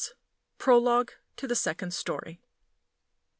PROLOGUE TO THE SECOND STORY.